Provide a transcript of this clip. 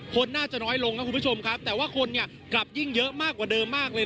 คนน่าจะน้อยลงนะคุณผู้ชมครับแต่ว่าคนเนี่ยกลับยิ่งเยอะมากกว่าเดิมมากเลย